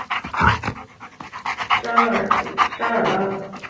沙尔拉。